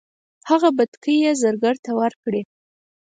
هغه بتکۍ یې زرګر ته ورکړې.